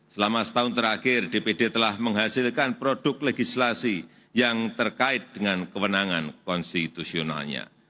selama setahun terakhir dpd telah menghasilkan produk legislasi yang terkait dengan kewenangan konstitusionalnya